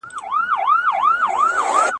کوم عوامل د اقتصادي ودي سبب ګرځي؟